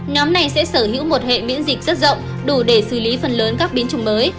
nhóm này sẽ sở hữu một hệ miễn dịch rất rộng đủ để xử lý phần lớn các biến chủng mới